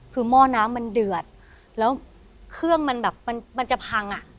คือหม้อน้ำมันเดือดแล้วเครื่องมันแบบมันมันจะพังอ่ะ